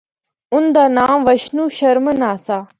اُن دا ناں وشنو شرمن آسا۔